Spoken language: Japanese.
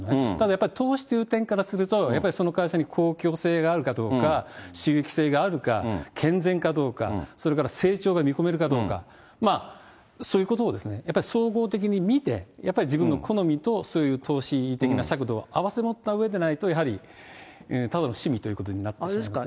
やっぱり投資という点からすると、やっぱりその会社に公共性があるかどうか、収益性があるか、健全かどうか、それから成長が見込めるかどうか、そういうことをやっぱり総合的に見て、やっぱり自分の好みと投資的な尺度を併せ持ったうえでないと、ただの趣味ということになってしまいますね。